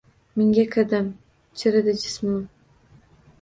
Mingga kirdim, chiridi jismim